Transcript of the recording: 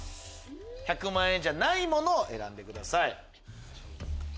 １００万円じゃないものを選んでください。